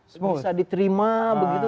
semuanya bisa diterima begitu